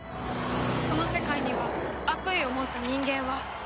この世界には悪意を持った人間はいくらでもいる。